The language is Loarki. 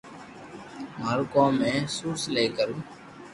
مارو ڪوم ھي سوٽ سلائي ڪرو